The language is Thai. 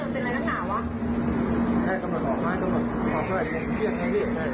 ถ้าเดี๋ยวจ่ายอะไรคือแต่งตัวก่อนได้ไหมคือให้เราพักเนี่ยมันเป็นอะไรกันหรือเปล่าวะ